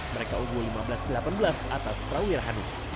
mereka unggul lima belas delapan belas